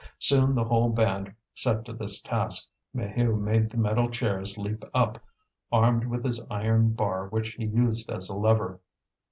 Soon the whole band set to this task. Maheu made the metal chairs leap up, armed with his iron bar which he used as a lever.